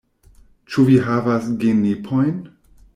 Ĉu vi havas genepojn?